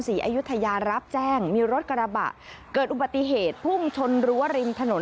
อายุทยารับแจ้งมีรถกระบะเกิดอุบัติเหตุพุ่งชนรั้วริมถนน